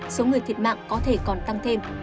số người thiệt mạng có thể còn tăng thêm